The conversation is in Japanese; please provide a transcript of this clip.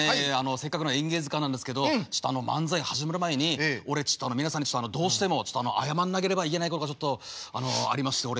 せっかくの「演芸図鑑」なんですけど漫才始める前に俺皆さんにどうしても謝んなければいけないことがちょっとありまして俺。